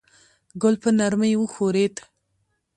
ګل په نرمۍ وښورېد.